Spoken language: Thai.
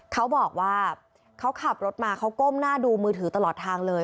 เขาบอกว่าเขาขับรถมาเขาก้มหน้าดูมือถือตลอดทางเลย